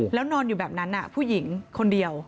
แล้วนอนอยู่แบบนั้นผู้หญิงคนเดียว